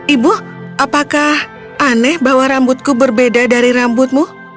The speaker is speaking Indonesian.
ibu apakah aneh bahwa rambutku berbeda dari rambutmu